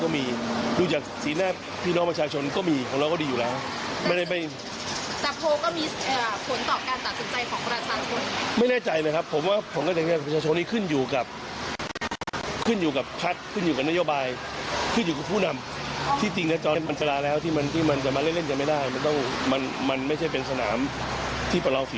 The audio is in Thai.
มันไม่ใช่เป็นสนามที่เปล่าฝีมือหรืออะไร